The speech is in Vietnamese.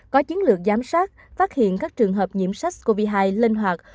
có chiến lược giám sát phát hiện các trường hợp nhiễm sars cov hai linh hoạt